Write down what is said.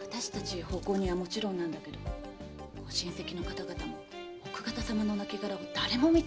私たち奉公人はもちろんだけどご親戚の方々も奥方様の亡骸を誰も見ていないのよ。